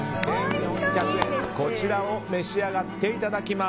こちらを召し上がっていただきます。